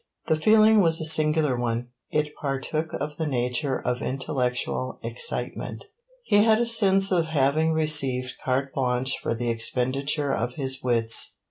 The feeling was a singular one. It partook of the nature of intellectual excitement. He had a sense of having received carte blanche for the expenditure of his wits.